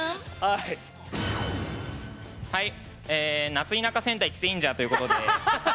「夏田舎戦隊キセインジャー」ということで。